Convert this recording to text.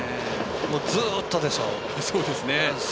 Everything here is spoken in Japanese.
ずっとでしょ。